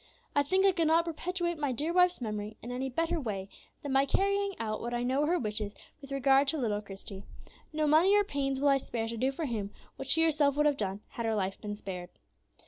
"I think I could not perpetuate my dear wife's memory in any better way than by carrying out what I know were her wishes with regard to little Christie. No money or pains will I spare to do for him what she herself would have done, had her life been spared.